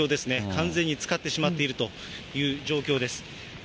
完全につかってしまっているという状況です。